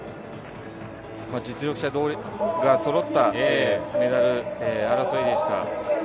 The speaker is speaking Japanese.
実力者がそろったメダル争いでした。